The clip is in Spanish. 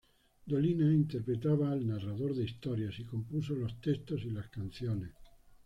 Dolina interpretaba al Narrador de Historias y compuso los textos y las canciones.